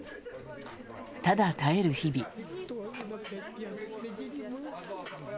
ただ耐える日々。